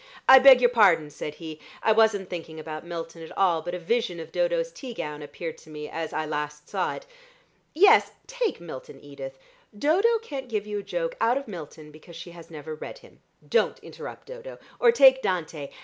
"I beg your pardon," said he; "I wasn't thinking about Milton at all, but a vision of Dodo's tea gown appeared to me, as I last saw it. Yes. Take Milton, Edith. Dodo can't give you a joke out of Milton because she has never read him. Don't interrupt, Dodo. Or take Dante.